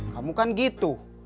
kamu kan gitu